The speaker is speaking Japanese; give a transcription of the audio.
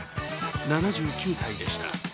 ７９歳でした。